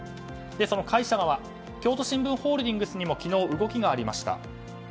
その会社側京都新聞ホールディングスにも昨日、動きがありました。